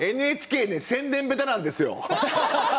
ＮＨＫね宣伝下手なんですよ。